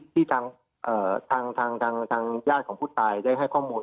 ที่ทางญาติของผู้ตายได้ให้ข้อมูล